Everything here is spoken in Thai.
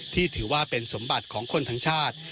ที่ถือว่าเป็นสมบัติของคนทั้งชาติ